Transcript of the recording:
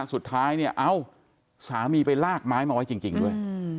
สุดท้ายเนี่ยเอ้าสามีไปลากไม้มาไว้จริงด้วย